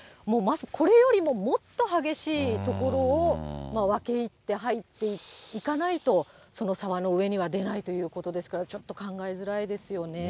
これよりももっと激しい所を分け入って入っていかないと、その沢の上には出ないということですから、ちょっと考えづらいですよね。